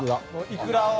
いくらを。